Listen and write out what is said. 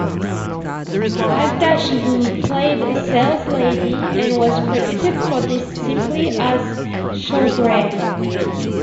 Aghdashloo played a saleslady and was credited for this simply as Shohreh.